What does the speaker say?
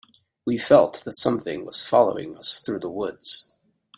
We felt that something was following us through the woods.